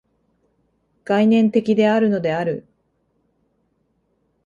概念的であるのである。